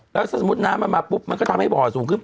แล้วถ้าสมมุติน้ำมันมาปุ๊บมันก็ทำให้บ่อสูงขึ้น